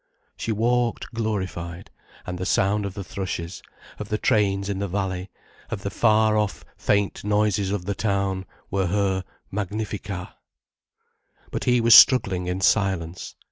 She walked glorified, and the sound of the thrushes, of the trains in the valley, of the far off, faint noises of the town, were her "Magnificat". But he was struggling in silence.